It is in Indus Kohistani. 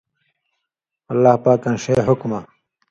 اللہ پاکاں ݜے حُکمہ